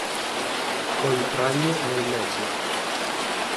Col ragno nel mezzo.